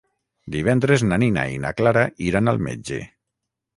Divendres na Nina i na Clara iran al metge.